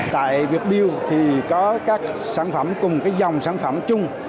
tại việt build thì có các sản phẩm cùng dòng sản phẩm chung